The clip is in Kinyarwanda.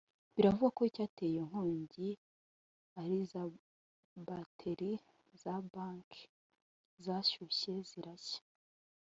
Biravugwa ko Icyateye iyo nkongi ari za Baterie za Bank(Agaseke) zashyushye zirashya